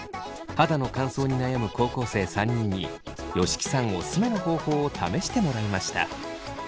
肌の乾燥に悩む高校生３人に吉木さんオススメの方法を試してもらいました。